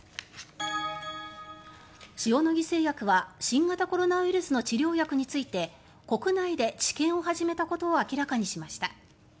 塩野義製薬は新型コロナウイルスの治療薬について国内で治験を始めたことを明らかにしました。